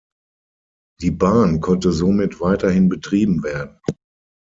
Die Bahn konnte somit weiterhin betrieben werden.